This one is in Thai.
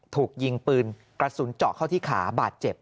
ถูกยิงปืนกระสุนเจาะเข้าที่ขาบาดเจ็บ